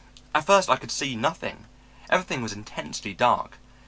"At first I could see nothing. Everything was intensely dark.